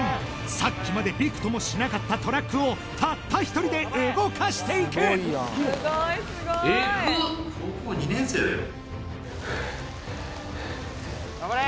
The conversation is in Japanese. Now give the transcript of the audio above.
さっきまでビクともしなかったトラックをたった一人で動かしていく・頑張れ！